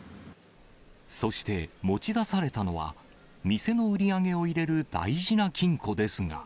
そして、持ち出されたのは、店の売り上げを入れる大事な金庫ですが。